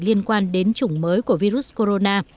liên quan đến chủng mới của virus corona